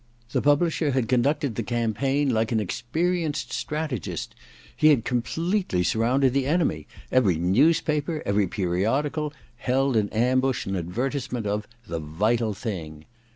The publisher had conducted the campaign like an experienced strategist. He had com pletely surrounded the enemy. Every news paper, every periodical, held in ambush an advertisement of *The Vital Thing.'